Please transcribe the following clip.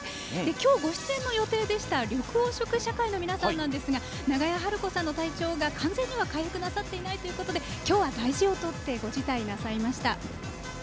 今日、ご出演の予定でした緑黄色社会の皆さんですが長屋晴子さんの体調が完全には回復なさっていないということで大事をとって辞退なされました。